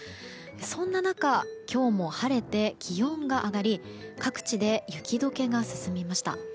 そんな中今日も晴れて気温が上がり各地で雪解けが進みました。